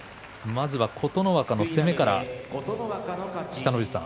まずは琴ノ若の攻めから。